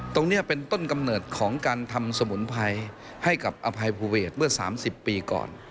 ตรงนี้เป็นต้นกำเนิดของการทำสมุนไพรให้กับอภัยภูเวทเมื่อ๓๐ปีก่อน